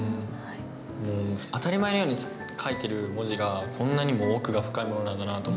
当たり前のように書いてる文字がこんなにも奥が深いものなんだなと思って。